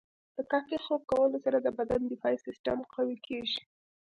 د کافي خوب کولو سره د بدن دفاعي سیستم قوي کیږي.